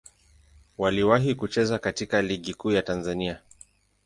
Waliwahi kucheza katika Ligi Kuu ya Tanzania.